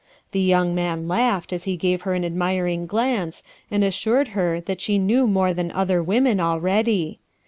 The young man laughed as he gave her an admiring glance and assured her that she knew more than other women, already.